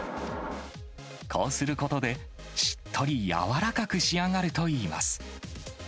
こうすることで、しっとり柔らかく仕上がるといいます。